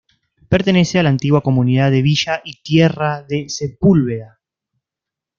Pertenece a la antigua Comunidad de Villa y Tierra de Sepúlveda.